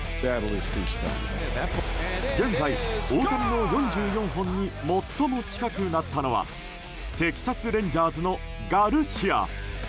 現在、大谷の４４本に最も近くなったのはテキサス・レンジャーズのガルシア。